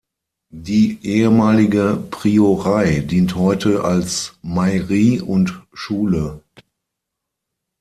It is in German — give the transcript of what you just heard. Die ehemalige Priorei dient heute als Mairie und Schule.